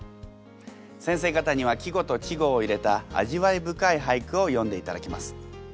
先生方には季語と稚語を入れた味わい深い俳句を詠んでいただきます。